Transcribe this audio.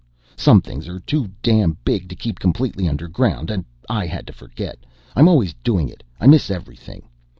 Some things are too damn big to keep completely underground. And I had to forget! I'm always doing it I miss everything!